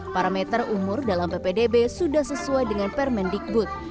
parameter umur dalam ppdb sudah sesuai dengan permendikbud